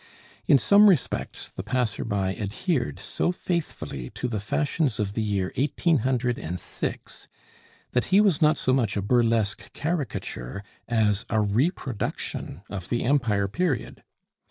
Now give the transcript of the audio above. In some respects the passer by adhered so faithfully to the fashions of the year 1806, that he was not so much a burlesque caricature as a reproduction of the Empire period.